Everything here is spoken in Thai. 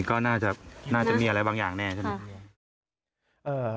ก็น่าจะมีอะไรบางอย่างแน่ใช่ไหม